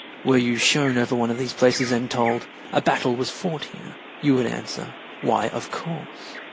Were you shown over one of these places, and told, "A battle was fought here," you would answer, "Why, of course!"